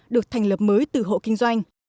được thành lập mới từ hộ kinh doanh